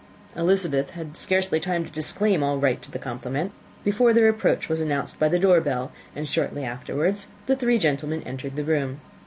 Elizabeth had scarcely time to disclaim all right to the compliment before their approach was announced by the door bell, and shortly afterwards the three gentlemen entered the room.